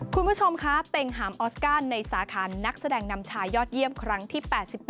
คุณผู้ชมคะเต็งหามออสการ์ในสาขานักแสดงนำชายยอดเยี่ยมครั้งที่๘๘